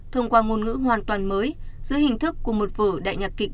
thông qua ngôn ngữ hoàn toàn mới giữa hình thức của một vở đại nhạc kịch